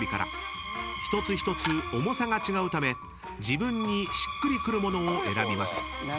［一つ一つ重さが違うため自分にしっくりくる物を選びます］